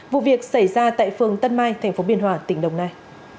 vụ việc xảy ra tại phường tân mai tp biên hòa tỉnh đồng nai